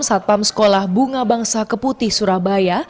satpam sekolah bunga bangsa keputi surabaya